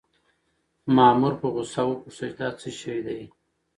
مامور په غوسه وپوښتل چې دا څه شی دی؟